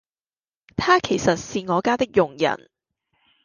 她其實是我家的佣人